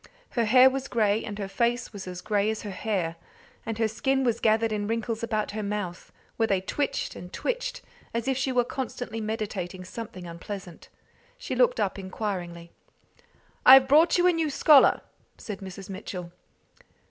Her hair was grey, and her face was as grey as her hair, and her skin was gathered in wrinkles about her mouth, where they twitched and twitched, as if she were constantly meditating something unpleasant. She looked up inquiringly. "I've brought you a new scholar," said Mrs. Mitchell.